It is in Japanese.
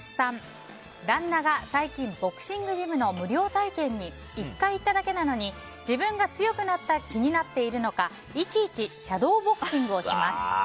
旦那が最近ボクシングジムの無料体験に１回行っただけなのに自分が強くなった気になっているのかいちいちシャドーボクシングをします。